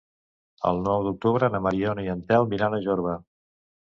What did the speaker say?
El nou d'octubre na Mariona i en Telm iran a Jorba.